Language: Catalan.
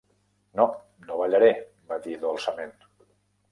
"No, no ballaré", va dir dolçament.